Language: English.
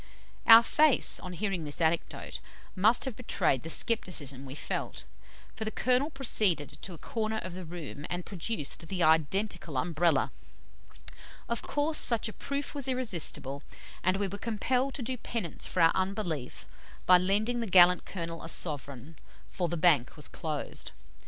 Our face, on hearing this anecdote, must have betrayed the scepticism we felt, for the Colonel proceeded to a corner of the room, and produced the identical Umbrella. Of course, such a proof was irresistible, and we were compelled to do penance for our unbelief by lending the gallant Colonel a sovereign, for "the Bank was closed."